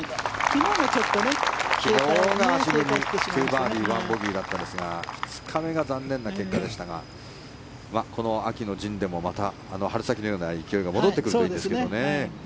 昨日が２ボギー１バーディーだったんですが２日目は残念な結果でしたがこの秋の陣でもまた春先のような勢いが戻ってくるといいんですけどね。